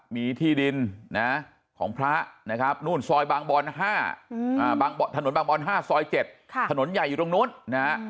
มีที่ดินของพระท่านถนนบางบอล๕ถนนบางบอล๗ถนนใหญ่อีกตรงน้อน